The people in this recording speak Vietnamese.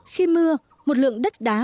khi mưa một lượng đất đá